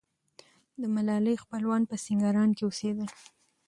د ملالۍ خپلوان په سینګران کې اوسېدل.